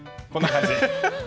こんな感じ。